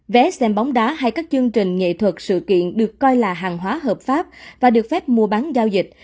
vé xem bóng đá hay các chương trình nghệ thuật sự kiện được coi là hàng hóa hợp pháp và được phép mua bán giao dịch